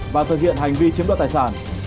và thực hiện hành vi chiếm đoạt tài sản